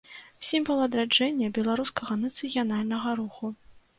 Сімвал адраджэння беларускага нацыянальнага руху.